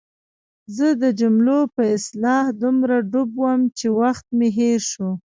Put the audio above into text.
زه د جملو په اصلاح دومره ډوب وم چې وخت مې هېر شو.